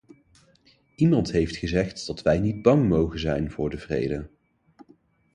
Iemand heeft gezegd dat wij niet bang mogen zijn voor de vrede.